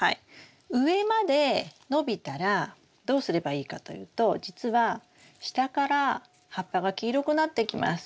上まで伸びたらどうすればいいかというとじつは下から葉っぱが黄色くなってきます。